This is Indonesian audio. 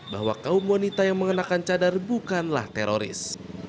bahwa kaum wanita yang mengenakan cadar bukanlah teroris